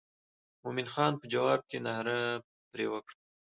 مومن خان په جواب کې ناره پر وکړه.